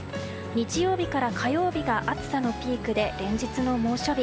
日曜日から火曜日が暑さのピークで連日の猛暑日。